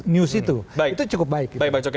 news itu itu cukup baik baik bang coky